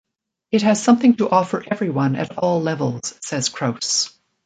It has something to offer everyone at all levels, says Crouse.